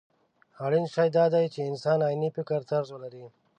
اړين شی دا دی چې انسان عيني فکرطرز ولري.